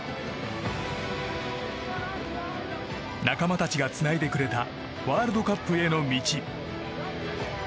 仲間たちがつないでくれたワールドカップへの道。